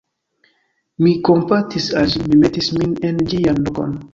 mi kompatis al ĝi, mi metis min en ĝian lokon.